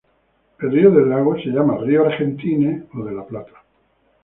El río del lago es llamado Río Argentine o de la Plata.